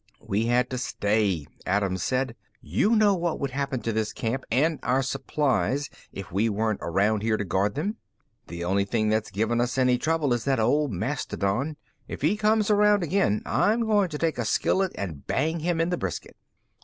"We had to stay," Adams said. "You know what would happen to this camp and our supplies if we weren't around here to guard them." "The only thing that's given us any trouble is that old mastodon. If he comes around again, I'm going to take a skillet and bang him in the brisket."